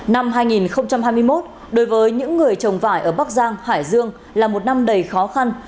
năm hai nghìn hai mươi một đối với những người trồng vải ở bắc giang hải dương là một năm đầy khó khăn